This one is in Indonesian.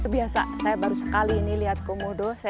biasa saya baru sekali ini lihat komodo